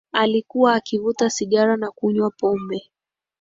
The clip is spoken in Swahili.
Alikua akivuta sigara na kunywa pombe